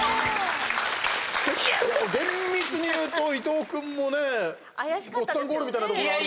厳密にいうと伊藤君もごっつぁんゴールみたいなところあるけど。